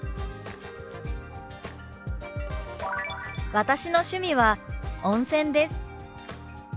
「私の趣味は温泉です」。